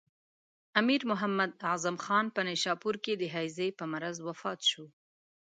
امیر محمد اعظم خان په نیشاپور کې د هیضې په مرض وفات شو.